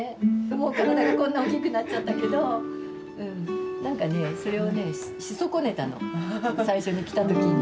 もう体がこんな大きくなっちゃったけどうん何かねそれをねし損ねたの最初に来た時に。